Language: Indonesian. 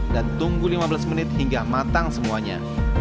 dan tunggu lima belas menit hingga matang semuanya